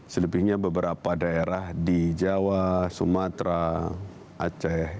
selebihnya beberapa daerah di jawa sumatera aceh